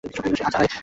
আচ্ছা, আয়।